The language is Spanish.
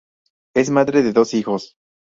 Es madre de dos hijos.